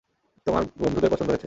তোমার বন্ধুদের পছন্দ হয়েছে।